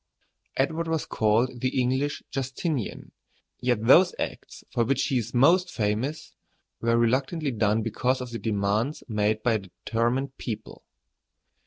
] Edward was called the English Justinian; yet those acts for which he is most famous were reluctantly done because of the demands made by a determined people.